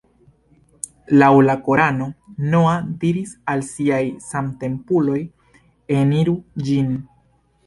Laŭ la Korano Noa diris al siaj samtempuloj: ""Eniru ĝin.